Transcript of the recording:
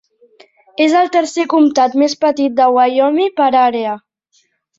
És el tercer comtat més petit de Wyoming per àrea.